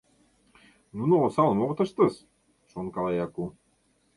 Нуно осалым огыт ыштыс», — шонкала Яку.